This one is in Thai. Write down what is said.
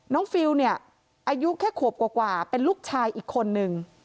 ฟิลเนี่ยอายุแค่ขวบกว่าเป็นลูกชายอีกคนนึง